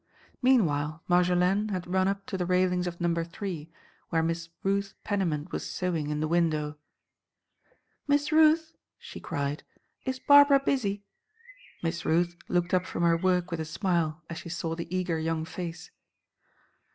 Meanwhile Marjolaine had run up to the railings of Number Three where Miss Ruth Pennymint was sewing in the window. "Miss Ruth," she cried, "is Barbara busy?" Miss Ruth looked up from her work with a smile as she saw the eager young face.